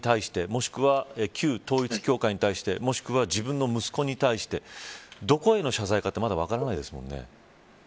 もしくは旧統一教会に対して、もしくは自分の息子に対してどこへの謝罪かっていうのはまだ分からないですもんね。